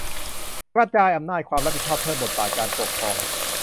กระจายอำนาจ ความรับผิดชอบ เพิ่มบทบาทการปกครอง